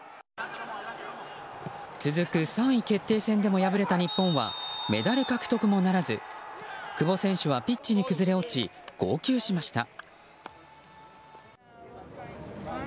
続く３位決定戦でも敗れた日本はメダル獲得もならず久保選手はピッチに崩れ落ち号泣しました。